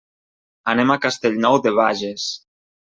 Anem a Castellnou de Bages.